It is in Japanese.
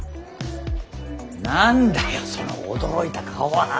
何だよその驚いた顔は。